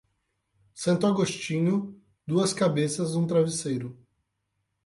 Santo Agostinho, duas cabeças num travesseiro.